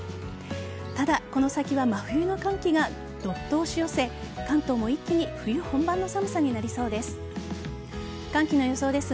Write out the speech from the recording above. ただ、この先は真冬の寒気がどっと押し寄せ関東も一気に冬本番の寒さになりそうです。